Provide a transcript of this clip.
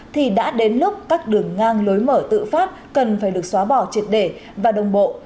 thì đã đến lúc các đường ngang lối mở tự phát cần phải được xóa bỏ triệt để và đồng bộ